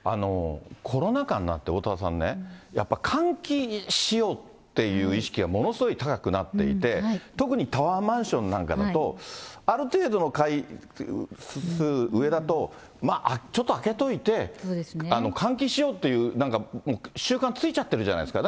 コロナ禍になって、おおたわさんね、やっぱ換気しようっていう意識がものすごい高くなっていて、特にタワーマンションなんかだと、ある程度の階数、上だと、まあ、ちょっと開けといて、換気しようというなんか、習慣ついちゃってるじゃないですか。